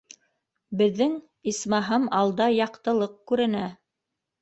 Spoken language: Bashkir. Беҙҙең, исмаһам, алда яҡтылыҡ күренә